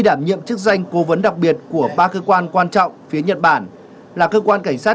đảm nhiệm chức danh cố vấn đặc biệt của ba cơ quan quan trọng phía nhật bản là cơ quan cảnh sát